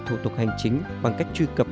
thủ tục hành chính bằng cách truy cập